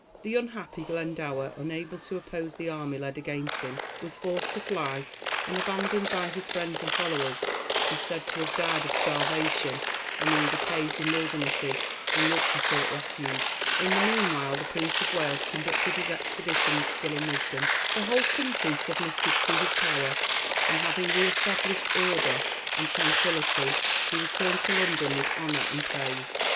The unhappy Glendower, unable to oppose the army led against him, was forced to fly, and, abandoned by his friends and followers, is said to have died of starvation among the caves and wildernesses in which he sought refuge. In the meanwhile the Prince of Wales conducted his expedition with skill and wisdom; the whole country submitted to his power; and having re established order and tranquillity, he returned to London with honor and praise.